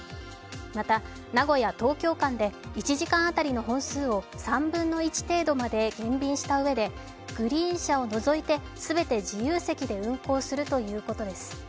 また、名古屋ー東京間で１時間あたりの本数を３分の１程度まで減便したうえでグリーン車を除いて全て自由席で運行するということです。